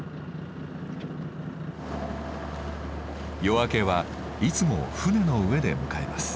夜明けはいつも船の上で迎えます。